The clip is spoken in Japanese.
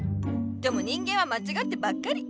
でも人間はまちがってばっかり。